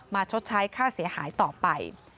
ชดใช้ค่าเสียหายต่อไป